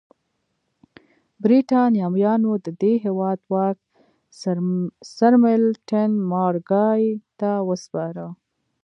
برېټانویانو د دې هېواد واک سرمیلټن مارګای ته وسپاره.